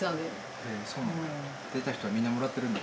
へそうなんだ